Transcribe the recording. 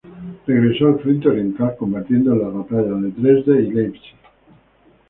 Regresó al frente oriental, combatiendo en las batallas de Dresde y Leipzig.